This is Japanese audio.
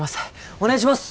お願いします！